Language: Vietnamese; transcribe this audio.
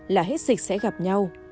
là hết dịch sẽ gặp nhau